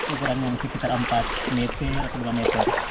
ukurannya sekitar empat meter atau dua meter